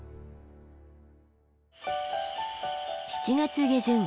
７月下旬。